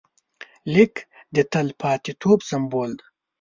لیک د تلپاتېتوب سمبول شو.